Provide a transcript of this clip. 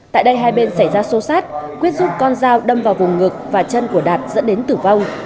tại đây hai bên xảy ra xô xát quyết giúp con dao đâm vào vùng ngực và chân của đạt dẫn đến tử vong